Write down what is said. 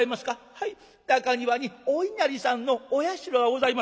「はい中庭にお稲荷さんのお社がございます」。